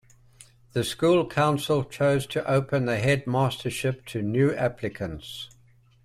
The school council chose to open the head mastership to new applicants.